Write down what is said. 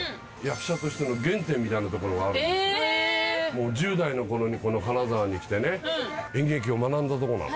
もう１０代の頃にこの金沢に来て演劇を学んだとこなの。